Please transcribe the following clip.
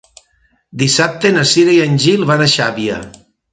Dissabte na Cira i en Gil van a Xàbia.